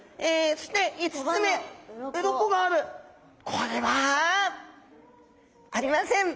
これはありません。